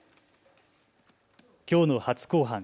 きょうの初公判。